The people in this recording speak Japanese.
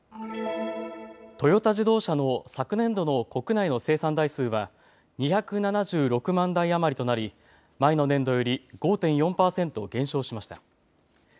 トヨタ自動車の昨年度の国内の生産台数は２７６万台余りとなり前の年度より５．４％減少しました。